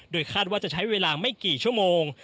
คาดว่าจะใช้เวลาไม่กี่ชั่วโมง